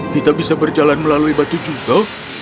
kita bisa berjalan melalui batu juga